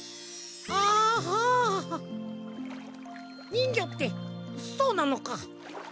にんぎょってそうなのか。